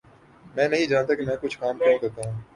میں نہیں جانتا کہ میں کچھ کام کیوں کرتا ہوں